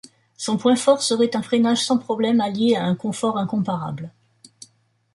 Son point fort serait un freinage sans problème allié à un confort incomparable.